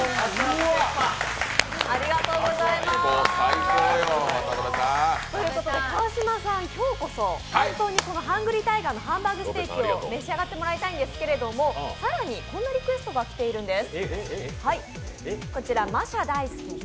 最高だよ、渡邊さん！ということで、川島さん、今日こそハングリータイガーのハンバーグステーキを召し上がってもらいたいんですけど更にこんなリクエストが来ているんです。